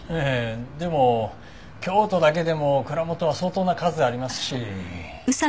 でも京都だけでも蔵元は相当な数ありますし。